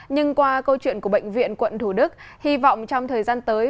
nhưng qua câu chuyện của bệnh viện quận thủ đức hy vọng trong thời gian tới